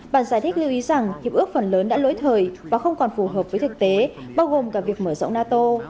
bàn giải thích lưu ý rằng hiệp ước phần lớn đã lỗi thời và không còn phù hợp với thực tế bao gồm cả việc mở rộng nato